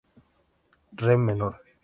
Re menor.